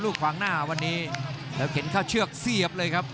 ขวางหน้าวันนี้แล้วเข็นเข้าเชือกเสียบเลยครับ